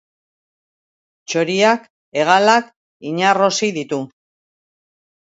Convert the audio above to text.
Txoriak hegalak inarrosi ditu.